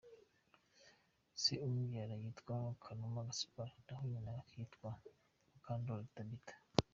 Se umubyara yitwa Kanuma Gaspard naho nyina akitwa Mukandoli Tabita.